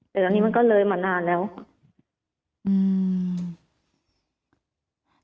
เดี๋ยวทั้งนี้มันเล๊ยมานานแล้วค่ะ